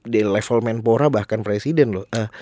di level menpora bahkan presiden loh